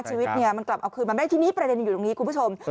ชีวิตเนี่ยมันกลับเอาคืนมาไม่ได้ทีนี้ประเด็นอยู่ตรงนี้คุณผู้ชม